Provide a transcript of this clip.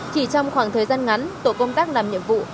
chỉ trong khoảng thời gian ngắn tổ công tác làm nhiệm vụ